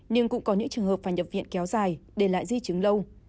nhưng cũng có những trường hợp phải nhập viện kéo dài để lại di chứng lâu